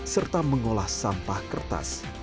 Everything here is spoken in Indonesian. serta mengolah sampah kertas